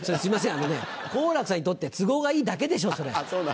あのね好楽さんにとって都合がいいだけでしょそれ。